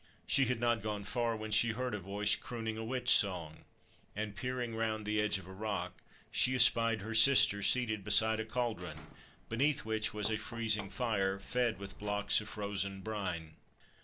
She had not gone far when she heard a voice crooning a witch song, and, peering round the edge of a rock, she espied her sister seated beside a cauldron, beneath which was a freezing fire fed with blocks of frozen brine.